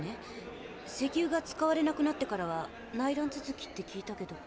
石油が使われなくなってからは内乱続きって聞いたけど。